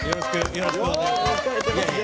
よろしくお願いします。